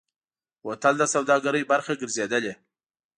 بوتل د سوداګرۍ برخه ګرځېدلی.